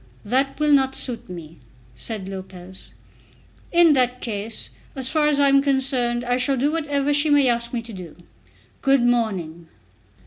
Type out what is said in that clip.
"That will not suit me," said Lopez. "In that case, as far as I am concerned, I shall do whatever she may ask me to do. Good morning."